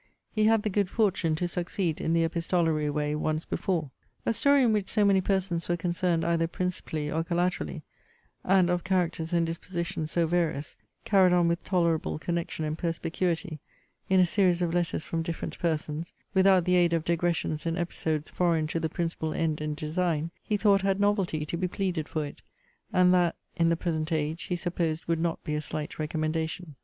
He had the good fortune to succeed in the epistolary way once before. A story in which so many persons were concerned either principally or collaterally, and of characters and dispositions so various, carried on with tolerable connection and perspicuity, in a series of letters from different persons, without the aid of digressions and episodes foreign to the principal end and design, he thought had novelty to be pleaded for it; and that, in the present age, he supposed would not be a slight recommendation.